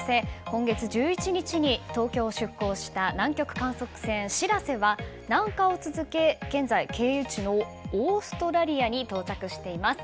今月１１日に東京を出航した南極観測船「しらせ」は南下を続け、現在経由地のオーストラリアに到着しています。